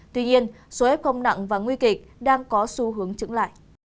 tuy nhiên số ép công nặng và nguy kịch đang có xu hướng chững lại